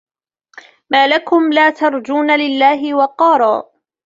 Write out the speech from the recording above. ما لكم لا ترجون لله وقارا